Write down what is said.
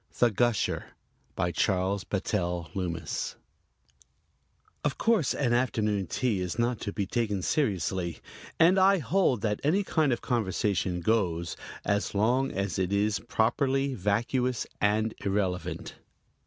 THE GUSHER BY CHARLES BATTELL LOOMIS Of course an afternoon tea is not to be taken seriously, and I hold that any kind of conversation goes, as long as it is properly vacuous and irrelevant.